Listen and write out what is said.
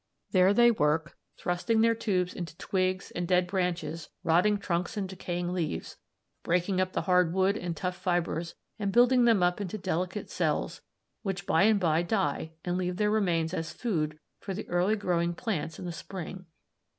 "There they work, thrusting their tubes into twigs and dead branches, rotting trunks and decaying leaves, breaking up the hard wood and tough fibres, and building them up into delicate cells, which by and by die and leave their remains as food for the early growing plants in the spring.